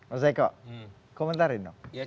oseko komentarin dong